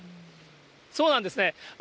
そうなんですね。